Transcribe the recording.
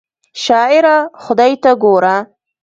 شاعره خدای ته ګوره!